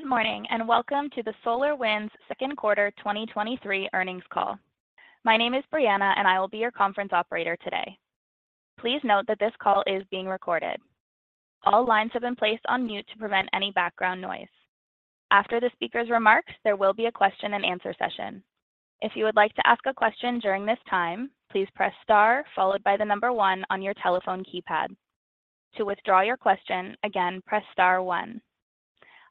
Good morning. Welcome to the SolarWinds second quarter 2023 earnings call. My name is Brianna, and I will be your conference operator today. Please note that this call is being recorded. All lines have been placed on mute to prevent any background noise. After the speaker's remarks, there will be a question-and-answer session. If you would like to ask a question during this time, please press Star followed by one on your telephone keypad. To withdraw your question, again, press Star one.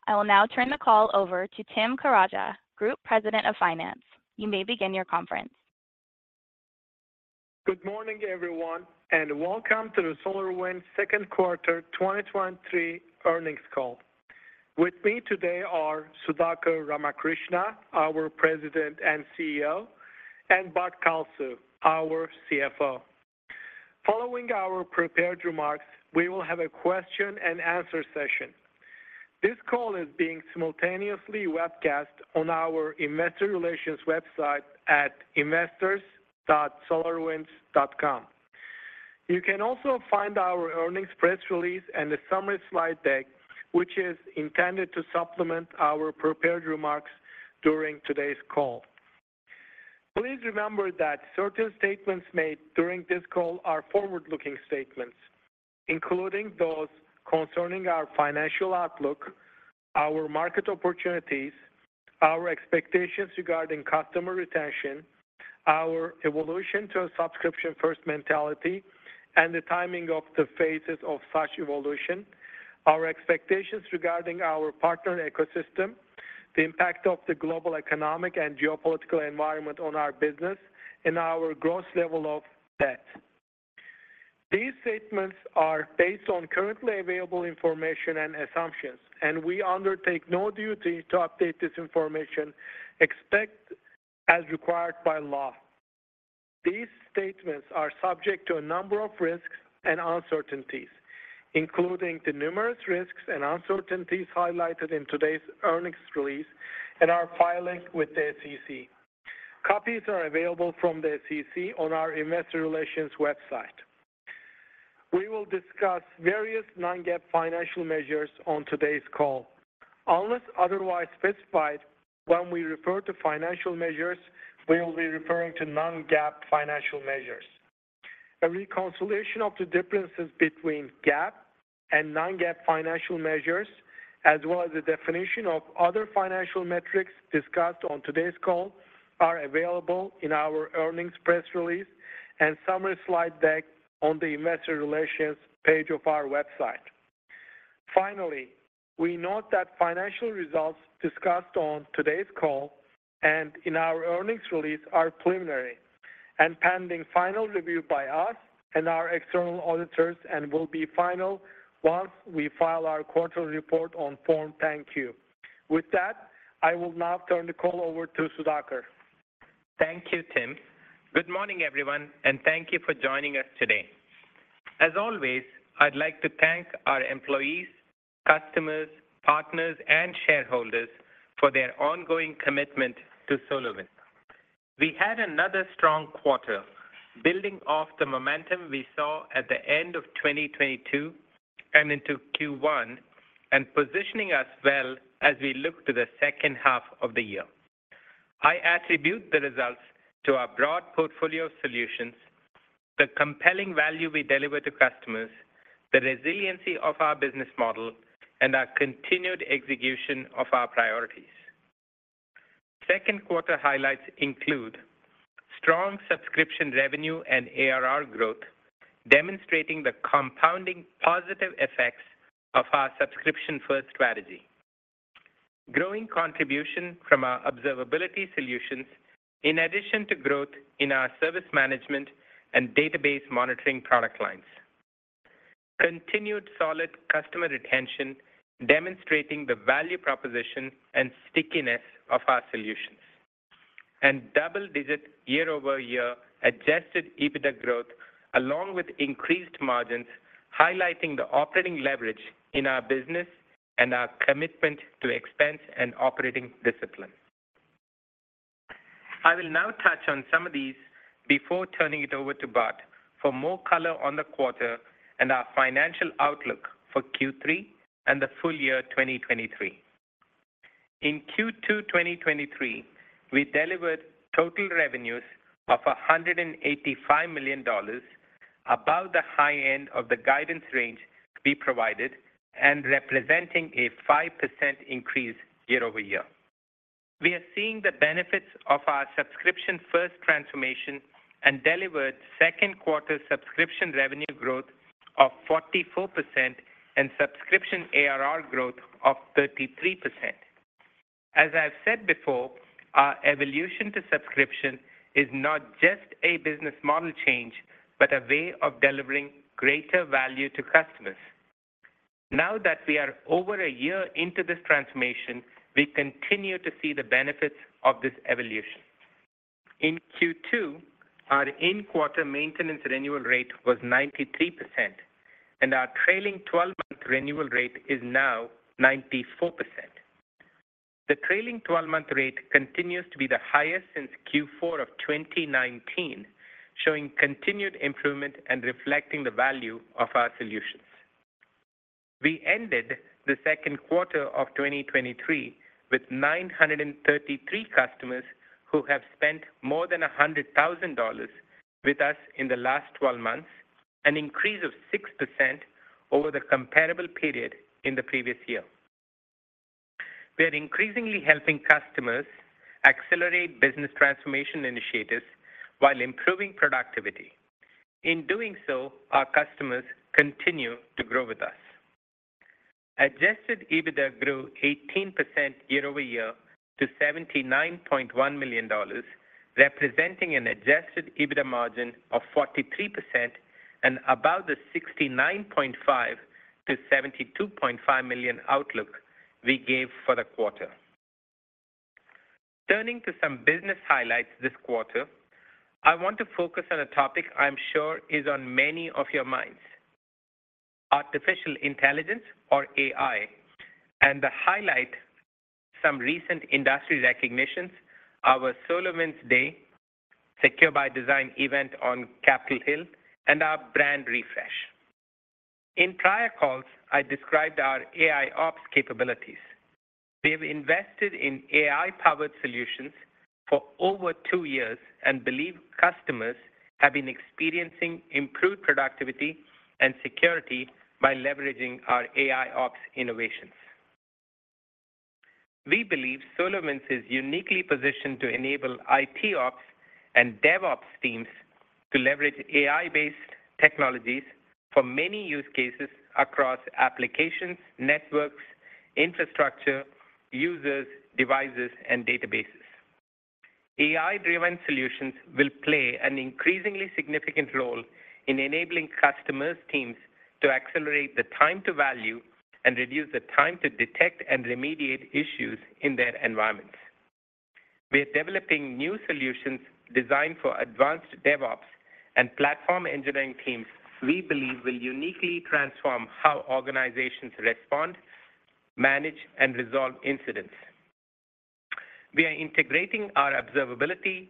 I will now turn the call over to Tim Karaca, Group President of Finance. You may begin your conference. Good morning, everyone, and welcome to the SolarWinds second quarter 2023 earnings call. With me today are Sudhakar Ramakrishna, our President and CEO, and Bart Kalsu, our CFO. Following our prepared remarks, we will have a question-and-answer session. This call is being simultaneously webcast on our investor relations website at investors.solarwinds.com. You can also find our earnings press release and a summary slide deck, which is intended to supplement our prepared remarks during today's call. Please remember that certain statements made during this call are forward-looking statements, including those concerning our financial outlook, our market opportunities, our expectations regarding customer retention, our evolution to a subscription-first mentality, and the timing of the phases of such evolution, our expectations regarding our partner ecosystem, the impact of the global economic and geopolitical environment on our business, and our gross level of debt. These statements are based on currently available information and assumptions, and we undertake no duty to update this information, except as required by law. These statements are subject to a number of risks and uncertainties, including the numerous risks and uncertainties highlighted in today's earnings release and our filings with the SEC. Copies are available from the SEC on our investor relations website. We will discuss various non-GAAP financial measures on today's call. Unless otherwise specified, when we refer to financial measures, we will be referring to non-GAAP financial measures. A reconciliation of the differences between GAAP and non-GAAP financial measures, as well as the definition of other financial metrics discussed on today's call, are available in our earnings press release and summary slide deck on the investor relations page of our website. Finally, we note that financial results discussed on today's call and in our earnings release are preliminary and pending final review by us and our external auditors and will be final once we file our quarterly report on Form 10-Q. With that, I will now turn the call over to Sudhakar. Thank you, Tim. Good morning, everyone, and thank you for joining us today. As always, I'd like to thank our employees, customers, partners, and shareholders for their ongoing commitment to SolarWinds. We had another strong quarter, building off the momentum we saw at the end of 2022 and into Q1, and positioning us well as we look to the second half of the year. I attribute the results to our broad portfolio of solutions, the compelling value we deliver to customers, the resiliency of our business model, and our continued execution of our priorities. Second quarter highlights include strong subscription revenue and ARR growth, demonstrating the compounding positive effects of our subscription-first strategy. Growing contribution from our observability solutions in addition to growth in our service management and database monitoring product lines. Continued solid customer retention, demonstrating the value proposition and stickiness of our solutions, double-digit year-over-year adjusted EBITDA growth, along with increased margins, highlighting the operating leverage in our business and our commitment to expense and operating discipline. I will now touch on some of these before turning it over to Bart for more color on the quarter and our financial outlook for Q3 and the full year 2023. In Q2 2023, we delivered total revenues of $185 million, above the high end of the guidance range we provided and representing a 5% increase year-over-year. We are seeing the benefits of our subscription-first transformation and delivered second quarter subscription revenue growth of 44% and subscription ARR growth of 33%. As I've said before, our evolution to subscription is not just a business model change, but a way of delivering greater value to customers. Now that we are over a year into this transformation, we continue to see the benefits of this evolution. In Q2, our in-quarter maintenance renewal rate was 93%, and our trailing twelve-month renewal rate is now 94%. The trailing twelve-month rate continues to be the highest since Q4 of 2019, showing continued improvement and reflecting the value of our solutions. We ended the second quarter of 2023 with 933 customers who have spent more than $100,000 with us in the last twelve months, an increase of 6% over the comparable period in the previous year. We are increasingly helping customers accelerate business transformation initiatives while improving productivity. In doing so, our customers continue to grow with us. Adjusted EBITDA grew 18% year-over-year to $79.1 million, representing an adjusted EBITDA margin of 43% and about the $69.5 million-$72.5 million outlook we gave for the quarter. Turning to some business highlights this quarter, I want to focus on a topic I'm sure is on many of your minds, artificial intelligence or AI, and to highlight some recent industry recognitions, our SolarWinds Day, Secure by Design event on Capitol Hill, and our brand refresh. In prior calls, I described our AIOps capabilities. We have invested in AI-powered solutions for over two years and believe customers have been experiencing improved productivity and security by leveraging our AIOps innovations. We believe SolarWinds is uniquely positioned to enable IT Ops and DevOps teams to leverage AI-based technologies for many use cases across applications, networks, infrastructure, users, devices, and databases. AI-driven solutions will play an increasingly significant role in enabling customers' teams to accelerate the time to value and reduce the time to detect and remediate issues in their environments. We are developing new solutions designed for advanced DevOps and platform engineering teams we believe will uniquely transform how organizations respond, manage, and resolve incidents. We are integrating our observability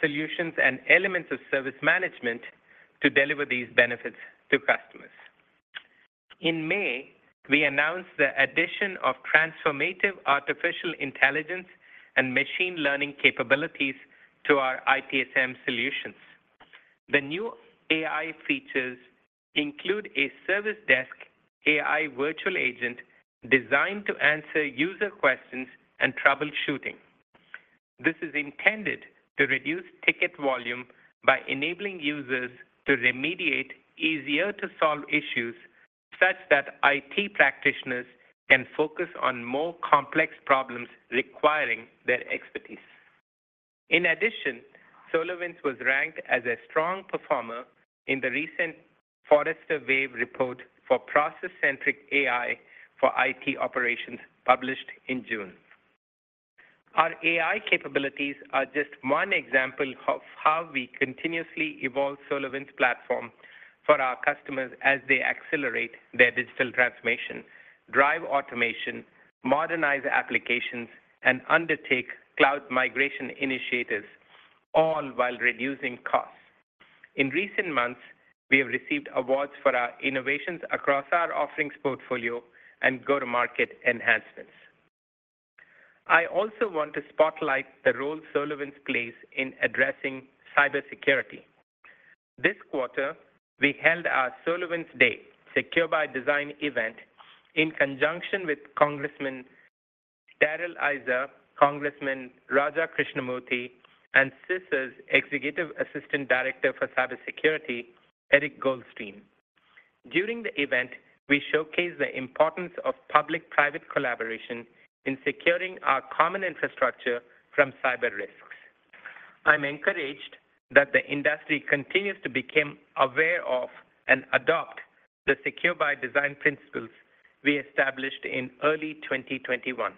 solutions and elements of service management to deliver these benefits to customers. In May, we announced the addition of transformative artificial intelligence and machine learning capabilities to our ITSM solutions. The new AI features include a service desk AI virtual agent designed to answer user questions and troubleshooting. This is intended to reduce ticket volume by enabling users to remediate easier-to-solve issues, such that IT practitioners can focus on more complex problems requiring their expertise. In addition, SolarWinds was ranked as a strong performer in the recent Forrester Wave report for process-centric AI for IT Operations, published in June. Our AI capabilities are just one example of how we continuously evolve SolarWinds Platform for our customers as they accelerate their digital transformation, drive automation, modernize applications, and undertake cloud migration initiatives, all while reducing costs. In recent months, we have received awards for our innovations across our offerings portfolio and go-to-market enhancements. I also want to spotlight the role SolarWinds plays in addressing cybersecurity. This quarter, we held our SolarWinds Day Secure by Design event in conjunction with Congressman Darrell Issa, Congressman Raja Krishnamoorthi, and CISA's Executive Assistant Director for Cybersecurity, Eric Goldstein. During the event, we showcased the importance of public-private collaboration in securing our common infrastructure from cyber risks. I'm encouraged that the industry continues to become aware of and adopt the Secure by Design principles we established in early 2021.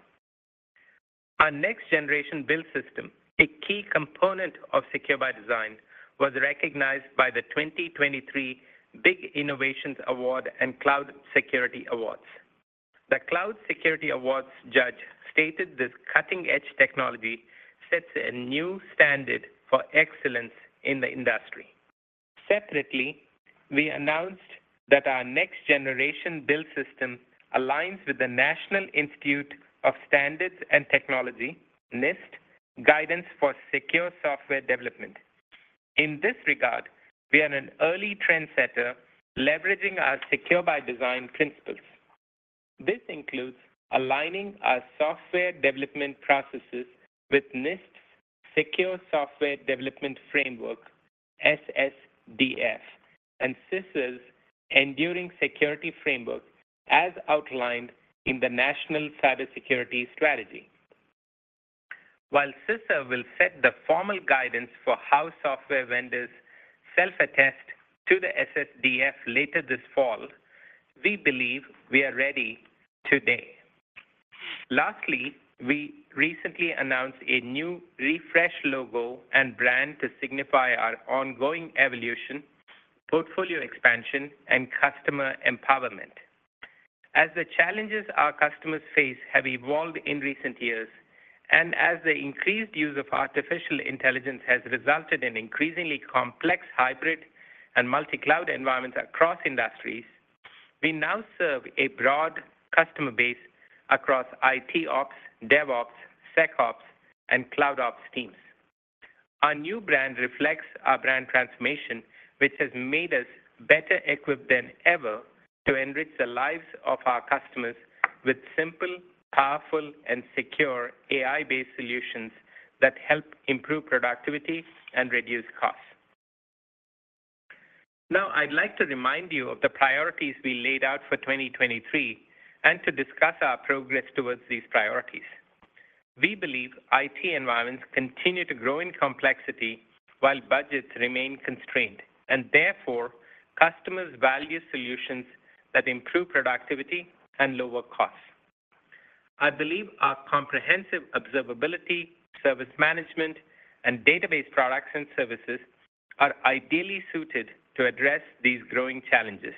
Our Next-Generation Build System, a key component of Secure by Design, was recognized by the 2023 BIG Innovation Awards and Cloud Security Awards. The Cloud Security Awards judge stated, "This cutting-edge technology sets a new standard for excellence in the industry." Separately, we announced that our Next-Generation Build System aligns with the National Institute of Standards and Technology, NIST, Guidance for Secure Software Development. In this regard, we are an early trendsetter, leveraging our Secure by Design principles. This includes aligning our software development processes with NIST's Secure Software Development Framework, SSDF, and CISA's Enduring Security Framework, as outlined in the National Cybersecurity Strategy. While CISA will set the formal guidance for how software vendors self-attest to the SSDF later this fall, we believe we are ready today. Lastly, we recently announced a new refreshed logo and brand to signify our ongoing evolution.... portfolio expansion, and customer empowerment. As the challenges our customers face have evolved in recent years, and as the increased use of artificial intelligence has resulted in increasingly complex hybrid and multi-cloud environments across industries, we now serve a broad customer base across IT Ops, DevOps, SecOps, and Cloud Ops teams. Our new brand reflects our brand transformation, which has made us better equipped than ever to enrich the lives of our customers with simple, powerful, and secure AI-based solutions that help improve productivity and reduce costs. Now, I'd like to remind you of the priorities we laid out for 2023, and to discuss our progress towards these priorities. We believe IT environments continue to grow in complexity while budgets remain constrained, and therefore, customers value solutions that improve productivity and lower costs. I believe our comprehensive observability, service management, and database products and services are ideally suited to address these growing challenges.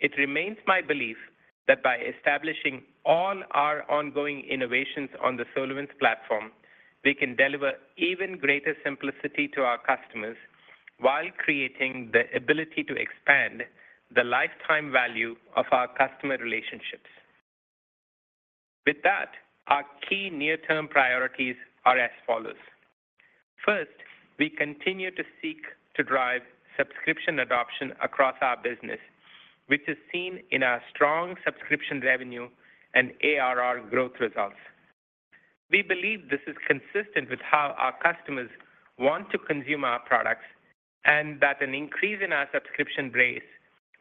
It remains my belief that by establishing all our ongoing innovations on the SolarWinds Platform, we can deliver even greater simplicity to our customers while creating the ability to expand the lifetime value of our customer relationships. With that, our key near-term priorities are as follows: First, we continue to seek to drive subscription adoption across our business, which is seen in our strong subscription revenue and ARR growth results. We believe this is consistent with how our customers want to consume our products, and that an increase in our subscription base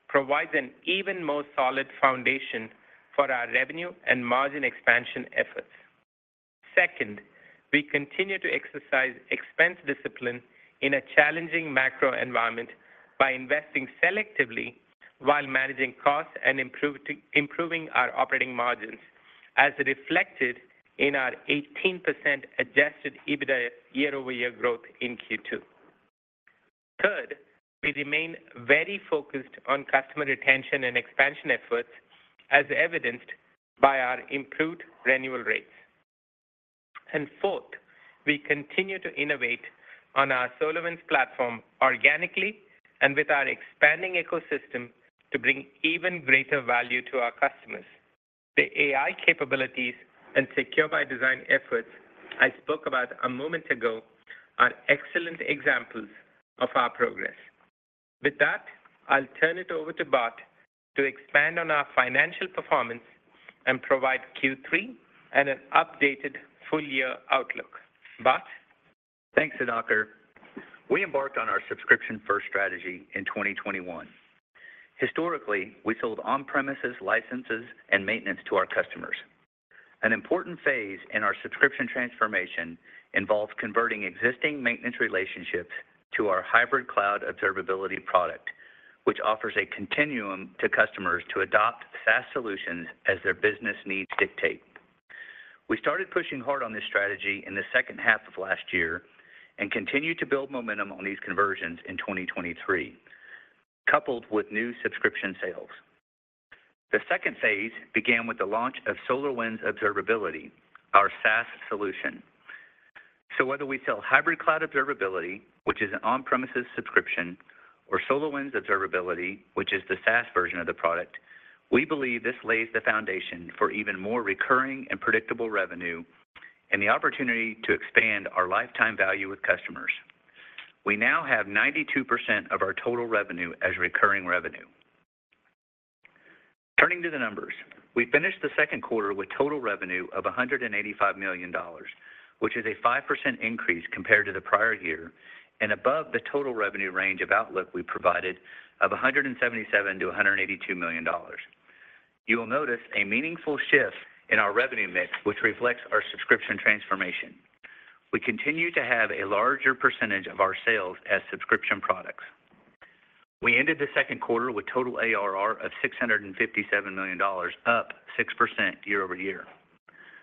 provides an even more solid foundation for our revenue and margin expansion efforts. Second, we continue to exercise expense discipline in a challenging macro environment by investing selectively while managing costs and improving our operating margins, as reflected in our 18% adjusted EBITDA year-over-year growth in Q2. Third, we remain very focused on customer retention and expansion efforts, as evidenced by our improved renewal rates. Fourth, we continue to innovate on our SolarWinds Platform organically and with our expanding ecosystem to bring even greater value to our customers. The AI capabilities and Secure by Design efforts I spoke about a moment ago are excellent examples of our progress. With that, I'll turn it over to Bart to expand on our financial performance and provide Q3 and an updated full year outlook. Bart? Thanks, Sudhakar. We embarked on our subscription-first strategy in 2021. Historically, we sold on-premises licenses and maintenance to our customers. An important phase in our subscription transformation involves converting existing maintenance relationships to our Hybrid Cloud Observability product, which offers a continuum to customers to adopt SaaS solutions as their business needs dictate. We started pushing hard on this strategy in the second half of last year and continued to build momentum on these conversions in 2023, coupled with new subscription sales. The second phase began with the launch of SolarWinds Observability, our SaaS solution. Whether we sell Hybrid Cloud Observability, which is an on-premises subscription, or SolarWinds Observability, which is the SaaS version of the product, we believe this lays the foundation for even more recurring and predictable revenue and the opportunity to expand our lifetime value with customers. We now have 92% of our total revenue as recurring revenue. Turning to the numbers, we finished the second quarter with total revenue of $185 million, which is a 5% increase compared to the prior year and above the total revenue range of outlook we provided of $177 million-$182 million. You will notice a meaningful shift in our revenue mix, which reflects our subscription transformation. We continue to have a larger percentage of our sales as subscription products. We ended the second quarter with total ARR of $657 million, up 6% year-over-year.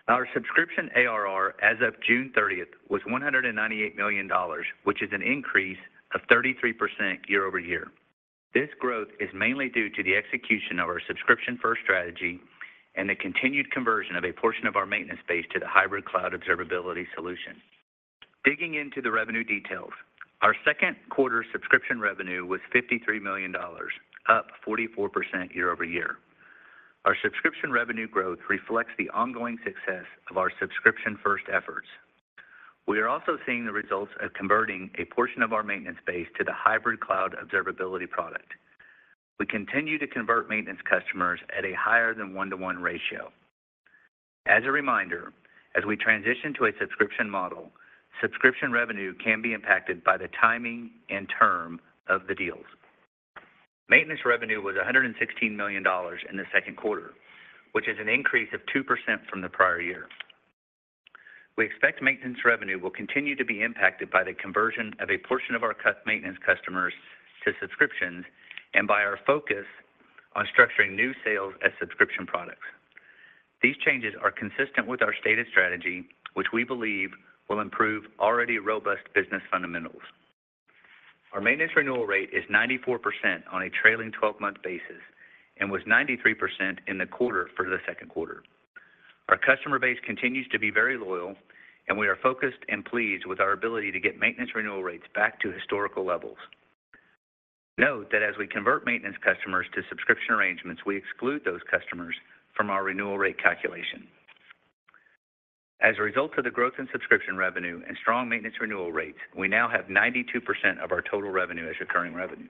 Our subscription ARR as of June 30th, was $198 million, which is an increase of 33% year-over-year. This growth is mainly due to the execution of our subscription-first strategy and the continued conversion of a portion of our maintenance base to the Hybrid Cloud Observability solution. Digging into the revenue details, our second quarter subscription revenue was $53 million, up 44% year-over-year. Our subscription revenue growth reflects the ongoing success of our subscription-first efforts. We are also seeing the results of converting a portion of our maintenance base to the Hybrid Cloud Observability product. We continue to convert maintenance customers at a higher than 1-to-1 ratio. As a reminder, as we transition to a subscription model, subscription revenue can be impacted by the timing and term of the deals. Maintenance revenue was $116 million in the second quarter, which is an increase of 2% from the prior year. We expect maintenance revenue will continue to be impacted by the conversion of a portion of our maintenance customers to subscriptions, and by our focus on structuring new sales as subscription products. These changes are consistent with our stated strategy, which we believe will improve already robust business fundamentals. Our maintenance renewal rate is 94% on a trailing 12-month basis, and was 93% in the quarter for the 2Q. Our customer base continues to be very loyal, and we are focused and pleased with our ability to get maintenance renewal rates back to historical levels. Note that as we convert maintenance customers to subscription arrangements, we exclude those customers from our renewal rate calculation. As a result of the growth in subscription revenue and strong maintenance renewal rates, we now have 92% of our total revenue as recurring revenue.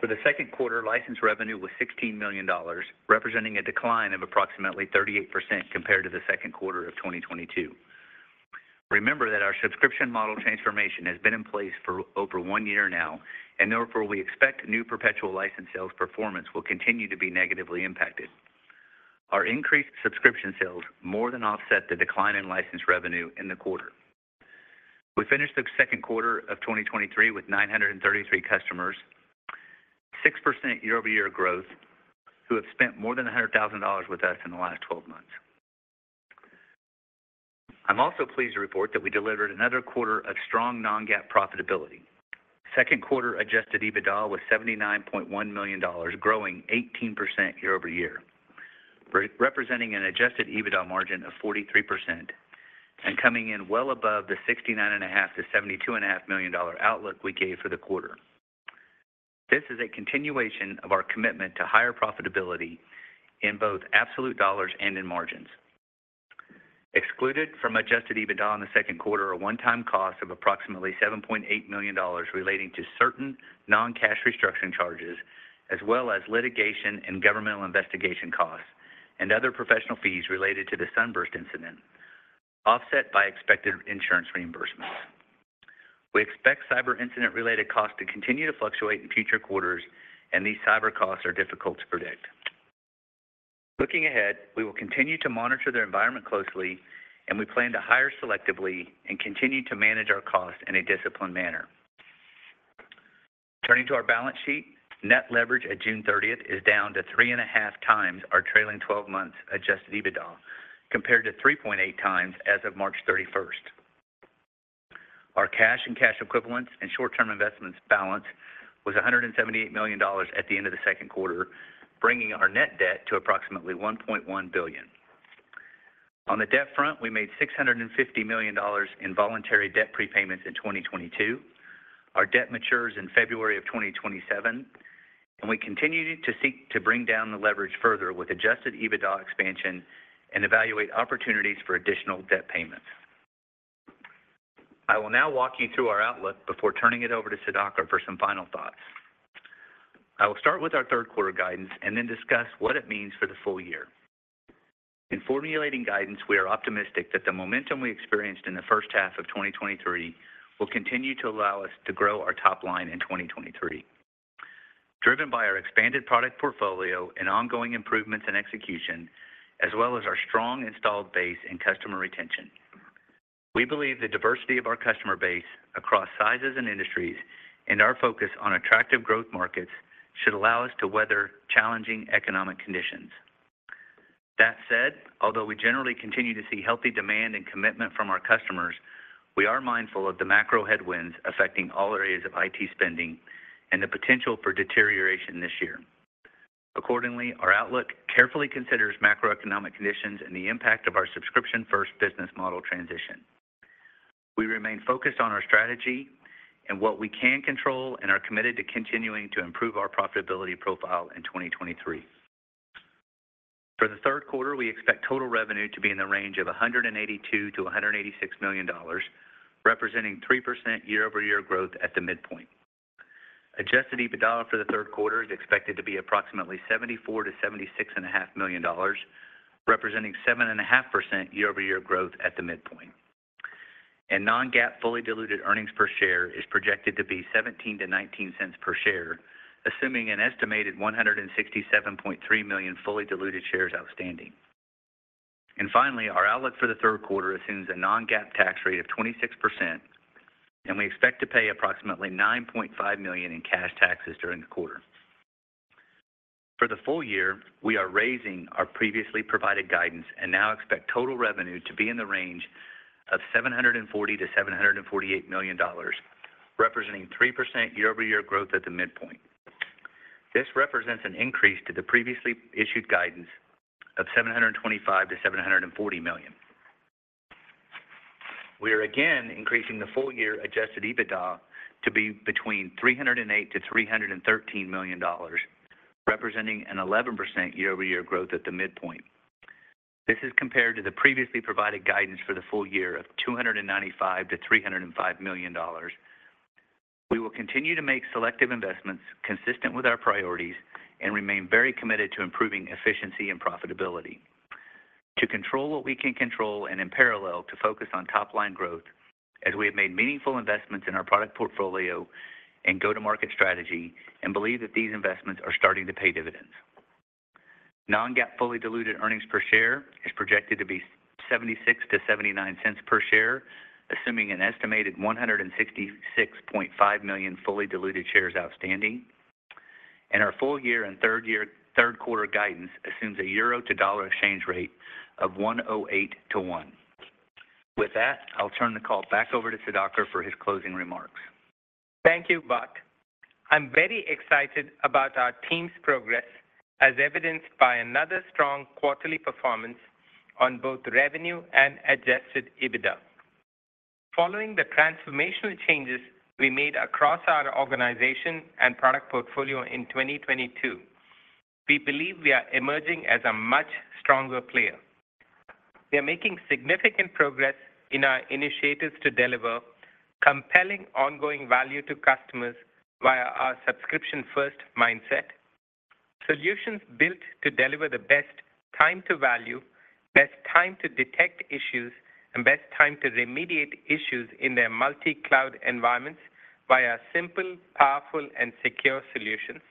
For the second quarter, license revenue was $16 million, representing a decline of approximately 38% compared to the second quarter of 2022. Remember that our subscription model transformation has been in place for over one year now. Therefore, we expect new perpetual license sales performance will continue to be negatively impacted. Our increased subscription sales more than offset the decline in license revenue in the quarter. We finished the second quarter of 2023 with 933 customers, 6% year-over-year growth, who have spent more than $100,000 with us in the last 12 months. I'm also pleased to report that we delivered another quarter of strong non-GAAP profitability. Second quarter adjusted EBITDA was $79.1 million, growing 18% year-over-year, representing an adjusted EBITDA margin of 43% and coming in well above the $69.5 million-$72.5 million outlook we gave for the quarter. This is a continuation of our commitment to higher profitability in both absolute dollars and in margins. Excluded from adjusted EBITDA in the second quarter, a one-time cost of approximately $7.8 million relating to certain non-cash restructuring charges, as well as litigation and governmental investigation costs, and other professional fees related to the SUNBURST incident, offset by expected insurance reimbursements. We expect cyber incident-related costs to continue to fluctuate in future quarters, and these cyber costs are difficult to predict. Looking ahead, we will continue to monitor their environment closely, and we plan to hire selectively and continue to manage our costs in a disciplined manner. Turning to our balance sheet, net leverage at June 30th is down to 3.5x our trailing twelve-month adjusted EBITDA, compared to 3.8x as of March 31st. Our cash and cash equivalents and short-term investments balance was $178 million at the end of the second quarter, bringing our net debt to approximately $1.1 billion. On the debt front, we made $650 million in voluntary debt prepayments in 2022. Our debt matures in February of 2027. We continue to seek to bring down the leverage further with adjusted EBITDA expansion and evaluate opportunities for additional debt payments. I will now walk you through our outlook before turning it over to Sudhakar for some final thoughts. I will start with our third quarter guidance and then discuss what it means for the full year. In formulating guidance, we are optimistic that the momentum we experienced in the first half of 2023 will continue to allow us to grow our top line in 2023, driven by our expanded product portfolio and ongoing improvements in execution, as well as our strong installed base and customer retention. We believe the diversity of our customer base across sizes and industries, and our focus on attractive growth markets, should allow us to weather challenging economic conditions. That said, although we generally continue to see healthy demand and commitment from our customers, we are mindful of the macro headwinds affecting all areas of IT spending and the potential for deterioration this year. Accordingly, our outlook carefully considers macroeconomic conditions and the impact of our subscription-first business model transition. We remain focused on our strategy and what we can control, are committed to continuing to improve our profitability profile in 2023. For the third quarter, we expect total revenue to be in the range of $182 million-$186 million, representing 3% year-over-year growth at the midpoint. Adjusted EBITDA for the third quarter is expected to be approximately $74 million-$76.5 million, representing 7.5% year-over-year growth at the midpoint. non-GAAP fully diluted earnings per share is projected to be $0.17-$0.19 per share, assuming an estimated 167.3 million fully diluted shares outstanding. Finally, our outlook for the third quarter assumes a non-GAAP tax rate of 26%, and we expect to pay approximately $9.5 million in cash taxes during the quarter. For the full year, we are raising our previously provided guidance and now expect total revenue to be in the range of $740 million-$748 million, representing 3% year-over-year growth at the midpoint. This represents an increase to the previously issued guidance of $725 million-$740 million. We are again increasing the full year adjusted EBITDA to be between $308 million-$313 million, representing an 11% year-over-year growth at the midpoint. This is compared to the previously provided guidance for the full year of $295 million-$305 million. We will continue to make selective investments consistent with our priorities and remain very committed to improving efficiency and profitability, to control what we can control and in parallel, to focus on top-line growth as we have made meaningful investments in our product portfolio and go-to-market strategy, and believe that these investments are starting to pay dividends. Non-GAAP fully diluted earnings per share $0.76-$0.79 per share, assuming an estimated 166.5 million fully diluted shares outstanding. Our full year and third year, third quarter guidance assumes a euro to dollar exchange rate of 1.08 to 1. With that, I'll turn the call back over to Sudhakar for his closing remarks. Thank you, Bart. I'm very excited about our team's progress, as evidenced by another strong quarterly performance on both revenue and adjusted EBITDA. Following the transformational changes we made across our organization and product portfolio in 2022, we believe we are emerging as a much stronger player. We are making significant progress in our initiatives to deliver compelling ongoing value to customers via our subscription-first mindset. Solutions built to deliver the best time to value, best time to detect issues, and best time to remediate issues in their multi-cloud environments via simple, powerful, and secure solutions,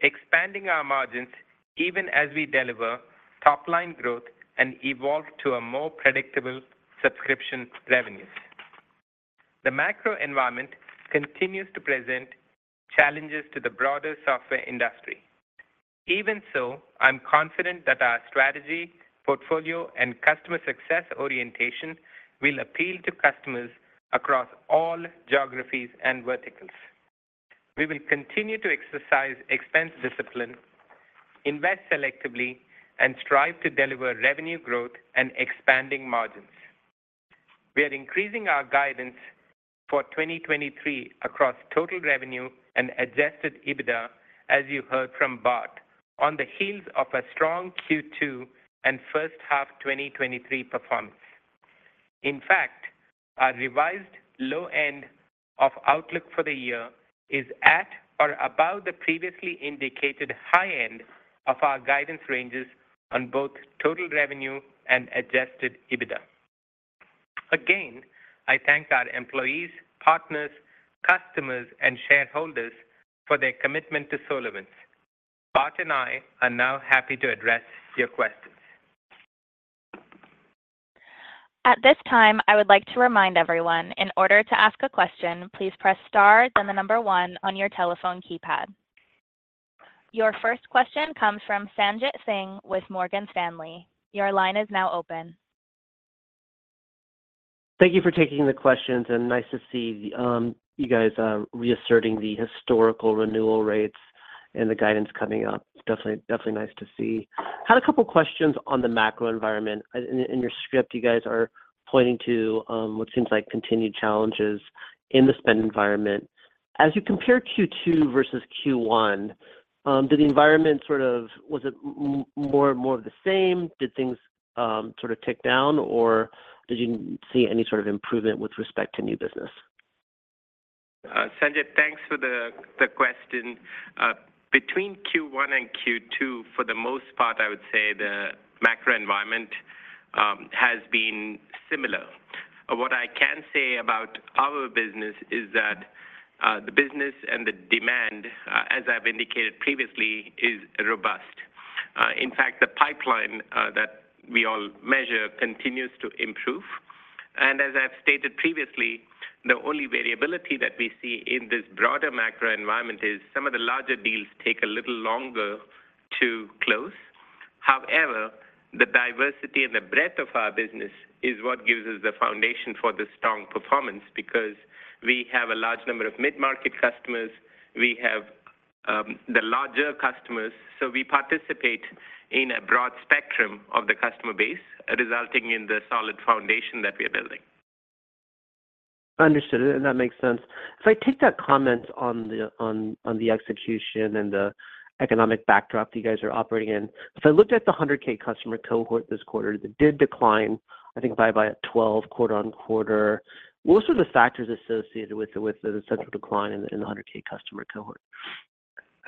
expanding our margins even as we deliver top-line growth and evolve to a more predictable subscription revenues. The macro environment continues to present challenges to the broader software industry. Even so, I'm confident that our strategy, portfolio, and customer success orientation will appeal to customers across all geographies and verticals. We will continue to exercise expense discipline, invest selectively, and strive to deliver revenue growth and expanding margins. We are increasing our guidance for 2023 across total revenue and adjusted EBITDA, as you heard from Bart, on the heels of a strong Q2 and first half 2023 performance. In fact, our revised low end of outlook for the year is at or above the previously indicated high end of our guidance ranges on both total revenue and adjusted EBITDA. Again, I thank our employees, partners, customers, and shareholders for their commitment to SolarWinds. Bart and I are now happy to address your questions. At this time, I would like to remind everyone, in order to ask a question, please press star, then the number one on your telephone keypad. Your first question comes from Sanjit Singh with Morgan Stanley. Your line is now open. Thank you for taking the questions, and nice to see, you guys, reasserting the historical renewal rates and the guidance coming up. Definitely, definitely nice to see. Had a couple of questions on the macro environment. In, in your script, you guys are pointing to, what seems like continued challenges in the spend environment. As you compare Q2 versus Q1, did the environment sort of... Was it more and more of the same? Did things, sort of tick down, or did you see any sort of improvement with respect to new business? Sanjit, thanks for the question. Between Q1 and Q2, for the most part, I would say the macro environment has been similar. What I can say about our business is that the business and the demand, as I've indicated previously, is robust. In fact, the pipeline that we all measure continues to improve, and as I've stated previously, the only variability that we see in this broader macro environment is some of the larger deals take a little longer to close. However, the diversity and the breadth of our business is what gives us the foundation for this strong performance, because we have a large number of mid-market customers, we have the larger customers, so we participate in a broad spectrum of the customer base, resulting in the solid foundation that we are building. Understood, and that makes sense. If I take that comment on the, on, on the execution and the economic backdrop you guys are operating in. If I looked at the 100K customer cohort this quarter, that did decline, I think by about 12 quarter-on-quarter. What are the factors associated with the, with the central decline in the 100K customer cohort?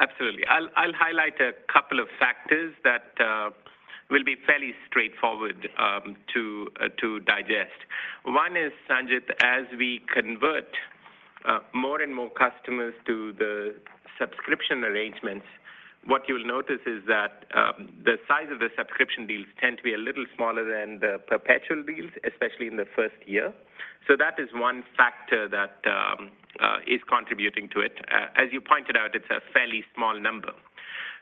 Absolutely. I'll, I'll highlight a couple of factors that will be fairly straightforward to digest. One is, Sanjit, as we convert more and more customers to the subscription arrangements, what you'll notice is that the size of the subscription deals tend to be a little smaller than the perpetual deals, especially in the first year. That is one factor that is contributing to it. As you pointed out, it's a fairly small number.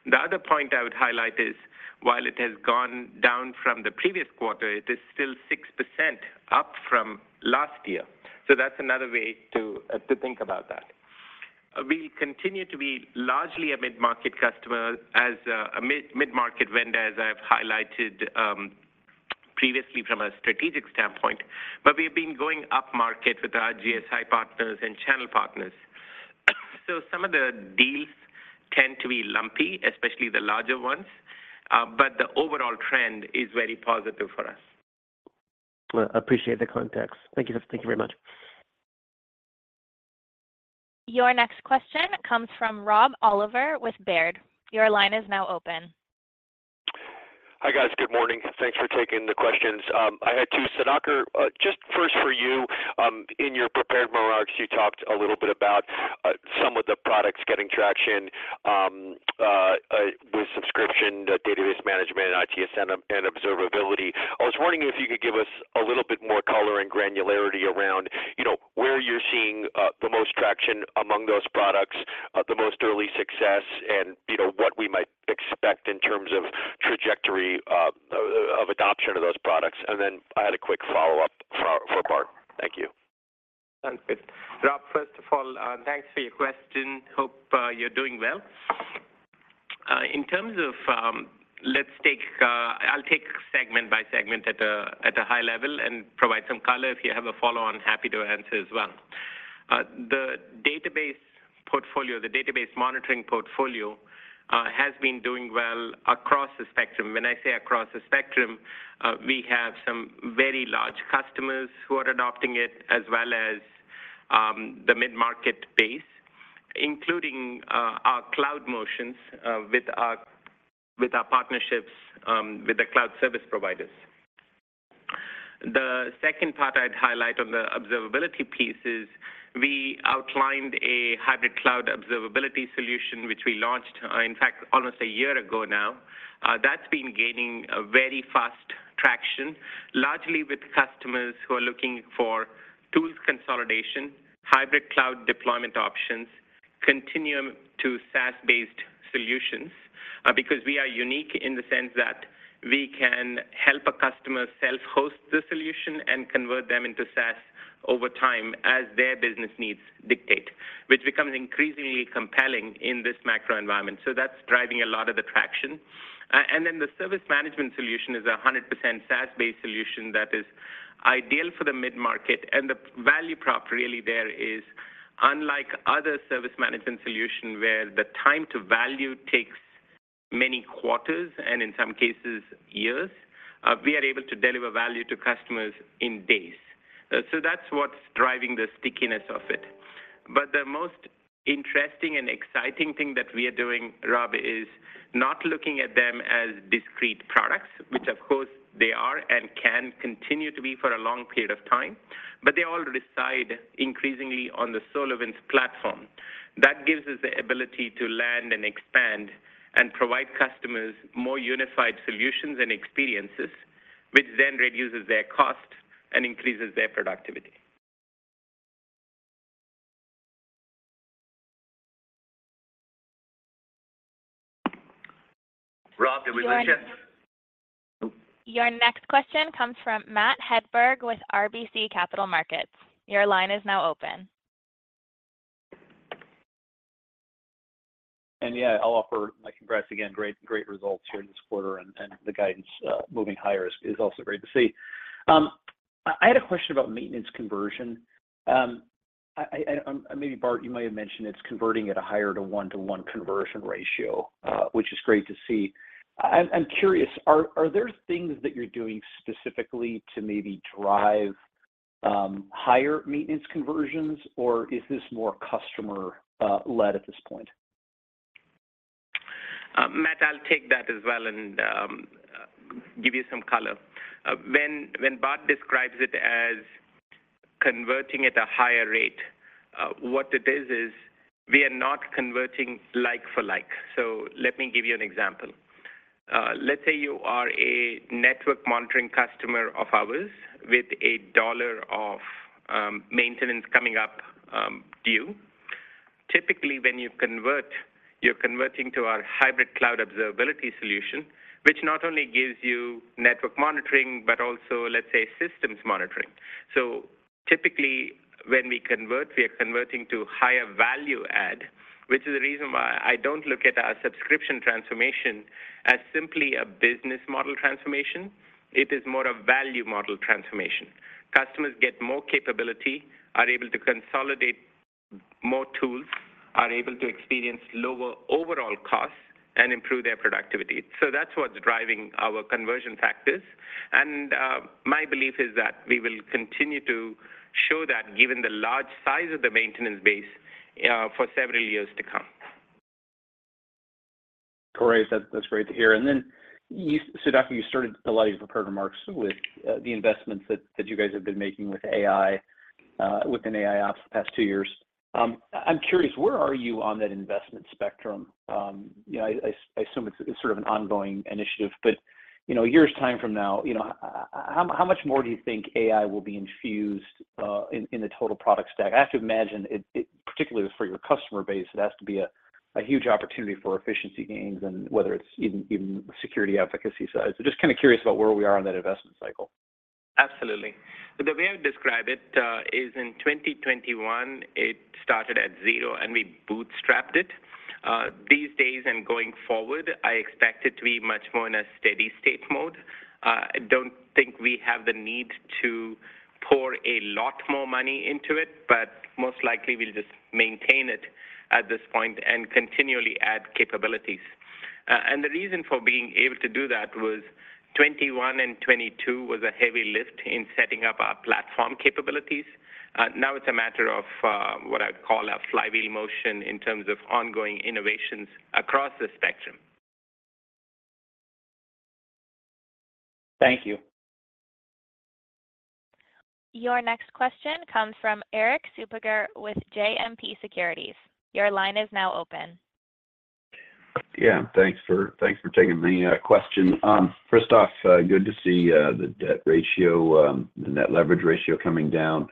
The other point I would highlight is while it has gone down from the previous quarter, it is still 6% up from last year. That's another way to think about that. We continue to be largely a mid-market customer as a mid, mid-market vendor, as I've highlighted, previously from a strategic standpoint. We've been going upmarket with our GSI partners and channel partners. Some of the deals tend to be lumpy, especially the larger ones, but the overall trend is very positive for us. Well, I appreciate the context. Thank you. Thank you very much. Your next question comes from Rob Oliver with Baird. Your line is now open. Hi, guys. Good morning. Thanks for taking the questions. I had two. Sudhakar, just first for you, in your prepared remarks, you talked a little bit about some of the products getting traction, subscription, the database management, and ITSM and observability. I was wondering if you could give us a little bit more color and granularity around, you know, where you're seeing the most traction among those products, the most early success, and, you know, what we might expect in terms of trajectory of adoption of those products. Then I had a quick follow-up for Bart. Thank you. Sounds good. Rob, first of all, thanks for your question. Hope you're doing well. In terms of, let's take, I'll take segment by segment at a, at a high level and provide some color. If you have a follow-on, happy to answer as well. The database portfolio, the database monitoring portfolio, has been doing well across the spectrum. When I say across the spectrum, we have some very large customers who are adopting it, as well as, the mid-market base, including, our cloud motions, with our, with our partnerships, with the cloud service providers. The second part I'd highlight on the observability piece is we outlined a Hybrid Cloud Observability solution, which we launched, in fact, almost a year ago now. That's been gaining a very fast traction, largely with customers who are looking for tools consolidation, hybrid cloud deployment options, continuum to SaaS-based solutions. Because we are unique in the sense that we can help a customer self-host the solution and convert them into SaaS over time as their business needs dictate, which becomes increasingly compelling in this macro environment. That's driving a lot of the traction. Then the service management solution is a 100% SaaS-based solution that is ideal for the mid-market, and the value prop really there is, unlike other service management solution, where the time to value takes many quarters, and in some cases, years, we are able to deliver value to customers in days. That's what's driving the stickiness of it. The most interesting and exciting thing that we are doing, Rob, is not looking at them as discrete products, which of course they are and can continue to be for a long period of time, but they all reside increasingly on the SolarWinds Platform. That gives us the ability to land and expand and provide customers more unified solutions and experiences, which then reduces their cost and increases their productivity. Rob, did we lose you? Your next question comes from Matt Hedberg with RBC Capital Markets. Your line is now open. Yeah, I'll offer my congrats again, great, great results here this quarter, and, and the guidance, moving higher is, is also great to see. I, I had a question about maintenance conversion. I, I, and, maybe Bart, you might have mentioned it's converting at a higher to 1-to-1 conversion ratio, which is great to see. I'm curious, are, are there things that you're doing specifically to maybe drive, higher maintenance conversions, or is this more customer, led at this point? Matt, I'll take that as well and give you some color. When, when Bart describes it as converting at a higher rate, what it is, is we are not converting like for like. Let me give you an example. Let's say you are a network monitoring customer of ours with $1 of maintenance coming up due. Typically, when you convert, you're converting to our Hybrid Cloud Observability solution, which not only gives you network monitoring but also, let's say, systems monitoring. Typically, when we convert, we are converting to higher value add, which is the reason why I don't look at our subscription transformation as simply a business model transformation. It is more a value model transformation. Customers get more capability, are able to consolidate more tools, are able to experience lower overall costs and improve their productivity. That's what's driving our conversion factors, and, my belief is that we will continue to show that given the large size of the maintenance base, for several years to come. Great. That's, that's great to hear. Then you, Sudhakar, you started a lot of your prepared remarks with the investments that, that you guys have been making with AI within AIOps the past two years. I'm curious, where are you on that investment spectrum? You know, I, I, I assume it's, it's sort of an ongoing initiative, but, you know, a year's time from now, you know, how, how much more do you think AI will be infused in, in the total product stack? I have to imagine it, it, particularly for your customer base, it has to be a, a huge opportunity for efficiency gains and whether it's even, even security efficacy side. So just kinda curious about where we are on that investment cycle. Absolutely. The way I would describe it is in 2021, it started at 0, and we bootstrapped it. These days and going forward, I expect it to be much more in a steady state mode. I don't think we have the need to pour a lot more money into it, but most likely we'll just maintain it at this point and continually add capabilities. The reason for being able to do that was 2021 and 2022 was a heavy lift in setting up our platform capabilities. Now it's a matter of what I'd call a flywheel motion in terms of ongoing innovations across the spectrum. Thank you. Your next question comes from Erik Suppiger with JMP Securities. Your line is now open. Yeah, thanks for, thanks for taking the question. First off, good to see the debt ratio, the net leverage ratio coming down.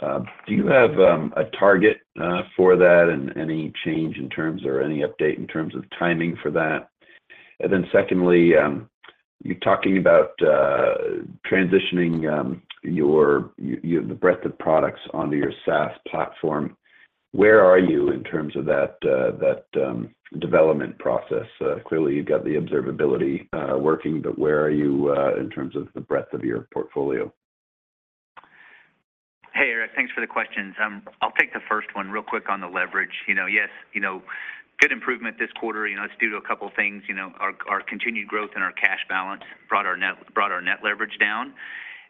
Do you have a target for that and any change in terms or any update in terms of timing for that? Secondly, you're talking about transitioning your, your, the breadth of products onto your SaaS platform. Where are you in terms of that, that development process? Clearly you've got the observability working, but where are you in terms of the breadth of your portfolio? Hey, Eric, thanks for the questions. I'll take the first one real quick on the leverage. You know, yes, you know, good improvement this quarter, you know, it's due to a couple things. You know, our, our continued growth and our cash balance brought our net, brought our net leverage down.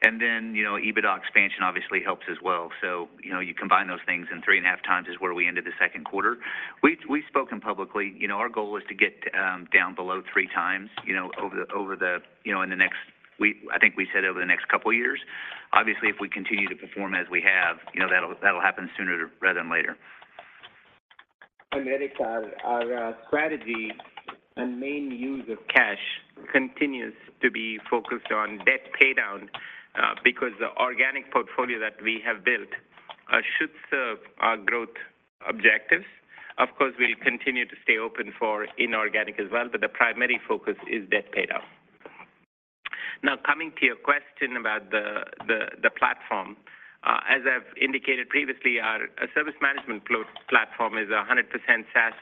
Then, you know, EBITDA expansion obviously helps as well. You know, you combine those things, and 3.5x is where we ended the second quarter. We've, we've spoken publicly. You know, our goal is to get down below 3x, you know, over the, over the, you know, in the next, I think we said over the next couple of years. Obviously, if we continue to perform as we have, you know, that'll, that'll happen sooner rather than later. Erik, our strategy and main use of cash continues to be focused on debt paydown, because the organic portfolio that we have built should serve our growth objectives. Of course, we'll continue to stay open for inorganic as well, but the primary focus is debt paydown. Coming to your question about the platform, as I've indicated previously, our service management platform is a 100% SaaS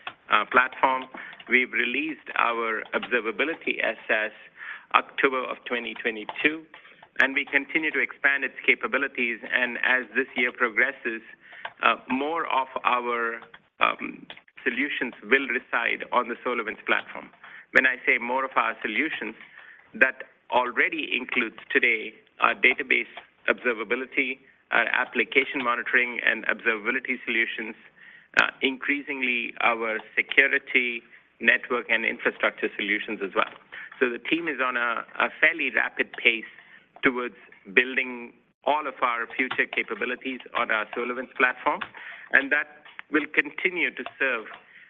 platform. We've released our observability as SaaS, October 2022, and we continue to expand its capabilities, and as this year progresses, more of our solutions will reside on the SolarWinds Platform. When I say more of our solutions, that already includes today, our database observability, our application monitoring, and observability solutions, increasingly our security network and infrastructure solutions as well. The team is on a fairly rapid pace towards building all of our future capabilities on our SolarWinds Platform, and that will continue to serve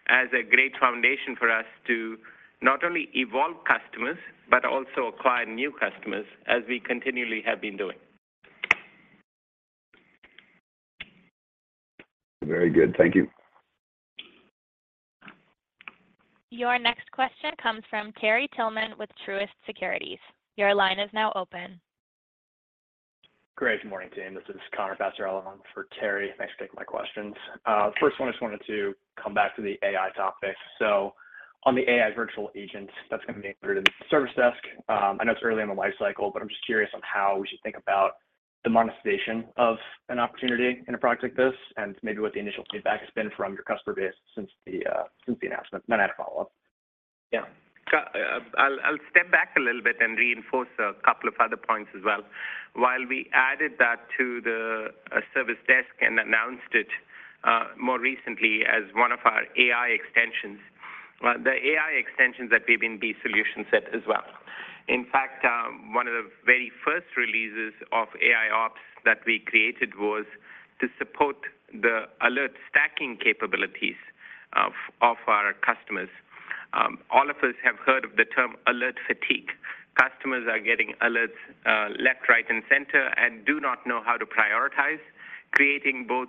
as a great foundation for us to not only evolve customers but also acquire new customers as we continually have been doing. Very good. Thank you. Your next question comes from Terry Tillman with Truist Securities. Your line is now open. Great. Good morning, team. This is Connor Passarella on for Terry. Thanks for taking my questions. First one, I just wanted to come back to the AI topic. On the AI virtual agent, that's gonna be included in the service desk. I know it's early in the lifecycle, but I'm just curious on how we should think about the monetization of an opportunity in a product like this, and maybe what the initial feedback has been from your customer base since the since the announcement? I have a follow-up. Yeah. I'll, I'll step back a little bit and reinforce a couple of other points as well. While we added that to the service desk and announced it more recently as one of our AI extensions, the AI extensions are being B solution set as well. In fact, one of the very first releases of AIOps that we created was to support the alert stacking capabilities of, of our customers. All of us have heard of the term alert fatigue. Customers are getting alerts, left, right, and center and do not know how to prioritize, creating both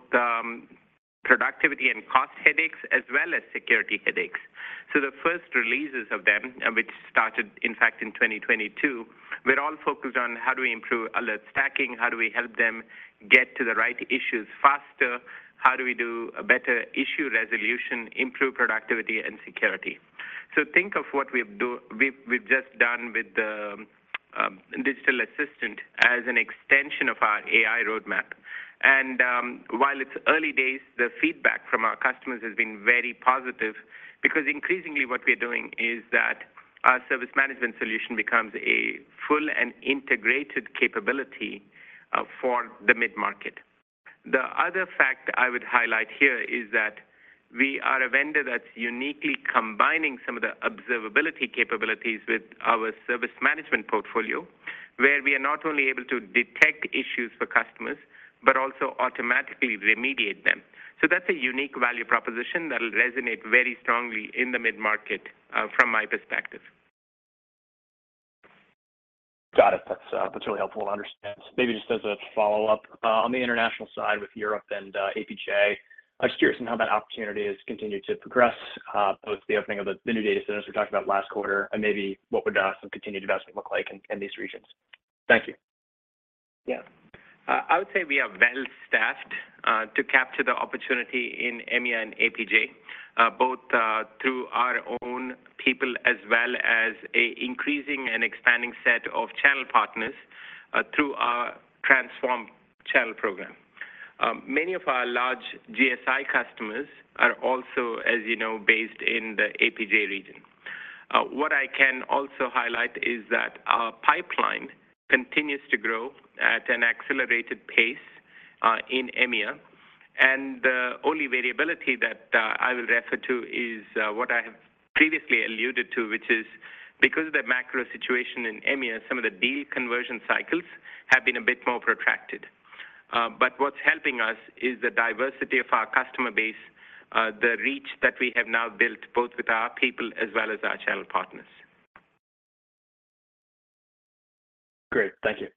productivity and cost headaches as well as security headaches. The first releases of them, which started, in fact, in 2022, were all focused on how do we improve alert stacking, how do we help them get to the right issues faster. How do we do a better issue resolution, improve productivity and security? Think of what we've we've just done with the digital assistant as an extension of our AI roadmap. While it's early days, the feedback from our customers has been very positive because increasingly what we're doing is that our service management solution becomes a full and integrated capability for the mid-market. The other fact I would highlight here is that we are a vendor that's uniquely combining some of the observability capabilities with our service management portfolio, where we are not only able to detect issues for customers, but also automatically remediate them. That's a unique value proposition that will resonate very strongly in the mid-market from my perspective. Got it. That's really helpful to understand. Maybe just as a follow-up, on the international side with Europe and APJ, I'm just curious on how that opportunity has continued to progress, both the opening of the new data centers we talked about last quarter, and maybe what would some continued investment look like in these regions? Thank you. Yeah. I would say we are well-staffed to capture the opportunity in EMEA and APJ, both through our own people as well as a increasing and expanding set of channel partners, through our Transform Channel Program. Many of our large GSI customers are also, as you know, based in the APJ region. What I can also highlight is that our pipeline continues to grow at an accelerated pace in EMEA. The only variability that I will refer to is what I have previously alluded to, which is because of the macro situation in EMEA, some of the deal conversion cycles have been a bit more protracted. What's helping us is the diversity of our customer base, the reach that we have now built, both with our people as well as our channel partners. Great. Thank you.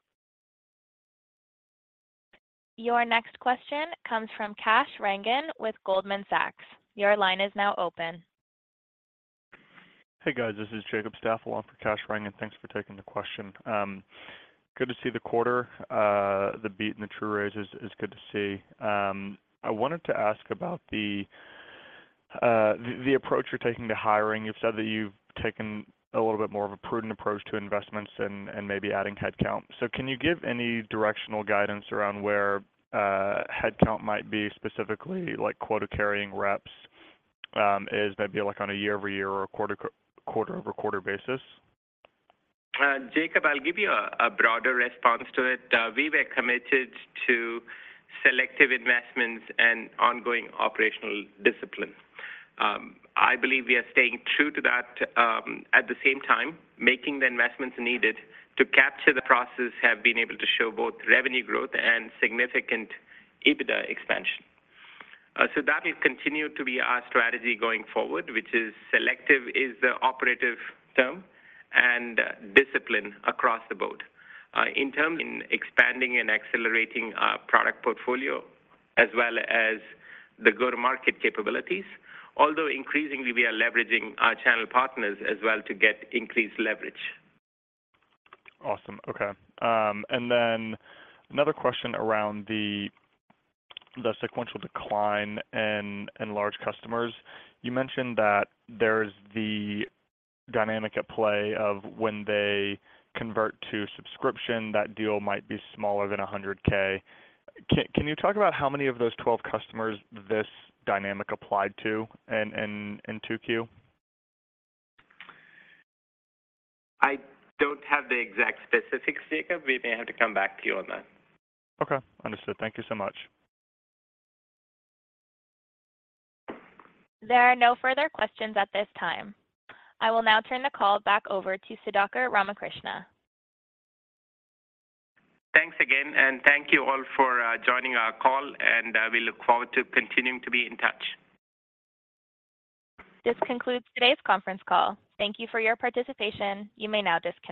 Your next question comes from Kash Rangan with Goldman Sachs. Your line is now open. Hey, guys, This is Jeffrey Luo along for Kash Rangan. Thanks for taking the question. Good to see the quarter, the beat and the true raise is, is good to see. I wanted to ask about the, the approach you're taking to hiring. You've said that you've taken a little bit more of a prudent approach to investments and, and maybe adding headcount. Can you give any directional guidance around where, headcount might be specifically, like quota-carrying reps, is maybe, like, on a year-over-year or a quarter-over-quarter basis? Jeffrey, I'll give you a broader response to it. We were committed to selective investments and ongoing operational discipline. I believe we are staying true to that, at the same time, making the investments needed to capture the process, have been able to show both revenue growth and significant EBITDA expansion. That will continue to be our strategy going forward, which is selective is the operative term and discipline across the board. In terms in expanding and accelerating our product portfolio as well as the go-to-market capabilities, although increasingly we are leveraging our channel partners as well to get increased leverage. Awesome. Okay. Then another question around the, the sequential decline in, in large customers. You mentioned that there's the dynamic at play of when they convert to subscription, that deal might be smaller than $100K. Can, can you talk about how many of those 12 customers this dynamic applied to in, in, in 2Q? I don't have the exact specifics, Jeffrey. We may have to come back to you on that. Okay, understood. Thank you so much. There are no further questions at this time. I will now turn the call back over to Sudhakar Ramakrishna. Thanks again, and thank you all for joining our call, and we look forward to continuing to be in touch. This concludes today's conference call. Thank you for your participation. You may now disconnect.